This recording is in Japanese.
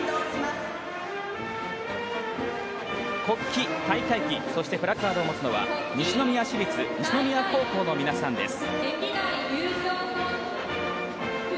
国旗・大会旗、プラカードを持つのは西宮市立西宮高校の皆さんです。